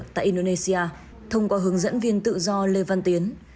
thông qua hướng dẫn viên tự do lê văn tiến